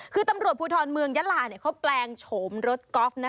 คือตำรวจภูทรเมืองยะลาเขาแปลงโฉมรถกอล์ฟ